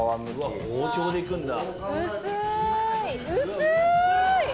うわ包丁でいくんだ。